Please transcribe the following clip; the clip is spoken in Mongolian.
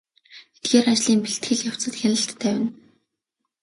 Эдгээр ажлын бэлтгэл явцад хяналт тавина.